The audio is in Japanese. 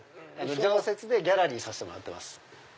常設でギャラリーさしてもらってます。